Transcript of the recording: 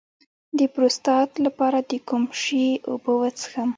د پروستات لپاره د کوم شي اوبه وڅښم؟